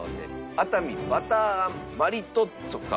熱海ばたーあんマリトッツォか？